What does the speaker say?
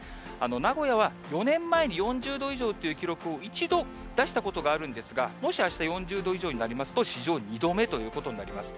名古屋は４年前に４０度以上という記録を一度出したことがあるんですが、もしあした、４０度以上になりますと、史上２度目ということになります。